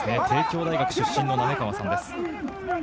帝京大学出身の滑川さんです。